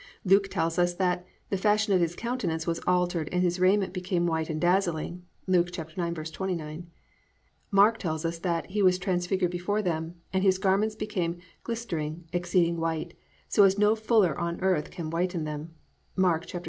Luke tells us that +"the fashion of his countenance was altered and His raiment became white and dazzling"+ (Luke 9:29). Mark tells us that +"He was transfigured before them: and his garments became glistering, exceeding white; so as no fuller on earth can whiten them"+ (Mark 9:2, 3).